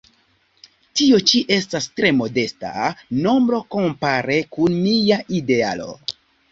Tio ĉi estas tre modesta nombro kompare kun mia idealo.